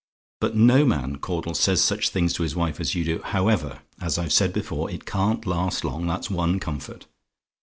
But no man, Mr. Caudle, says such things to his wife as you. However, as I've said before, it can't last long, that's one comfort.